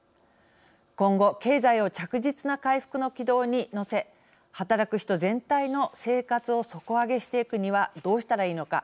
今後経済を着実な回復の軌道に乗せ働く人全体の生活を底上げしていくにはどうしたらいいのか。